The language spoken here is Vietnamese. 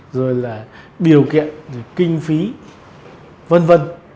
rồi là biểu kiện kinh phí v v